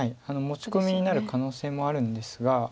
持ち込みになる可能性もあるんですが。